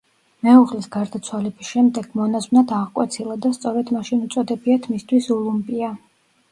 მეუღლის გარდაცვალების შემდეგ მონაზვნად აღკვეცილა და სწორედ მაშინ უწოდებიათ მისთვის ულუმპია.